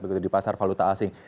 begitu di pasar valuta asing